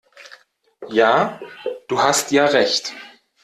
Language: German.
Ja, du hast ja Recht!